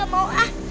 gak mau ah